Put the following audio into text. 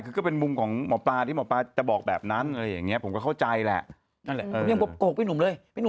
เขาไม่มีที่ยึดเหนียวจิบใจ